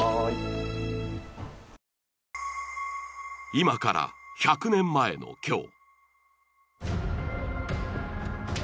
今から１００年前の今日